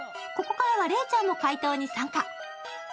ここからは礼ちゃんも解答に参加。